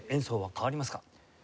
変わります！